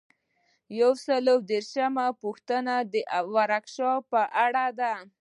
یو سل او دیرشمه پوښتنه د ورکشاپ په اړه ده.